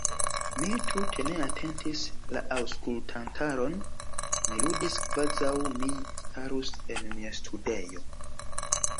Mi tute ne atentis la aŭskultantaron; mi ludis, kvazaŭ mi starus en mia studejo.